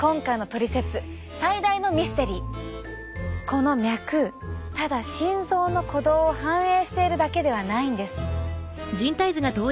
この脈ただ心臓の鼓動を反映しているだけではないんです。